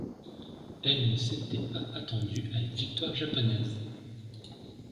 Elle ne s'était pas attendue à une victoire japonaise.